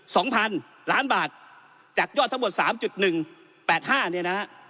สองพันล้านบาทจากยอดทั้งหมดสามจุดหนึ่งแปดห้าเนี่ยนะฮะ